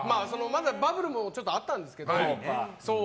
バブルもちょっとあったんですけど。